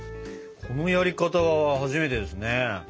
このやり方は初めてですね。